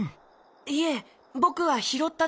いえぼくはひろっただけです。